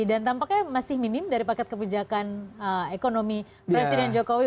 dan tampaknya masih minim dari paket kebijakan ekonomi presiden jokowi